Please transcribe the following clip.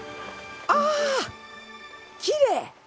あきれい！